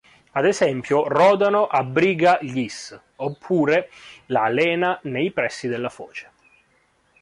Ad esempio: Rodano a Briga-Glis, oppure la Lena nei pressi della foce.